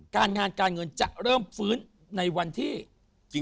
การงานการเงินจะเริ่มฟื้นในวันที่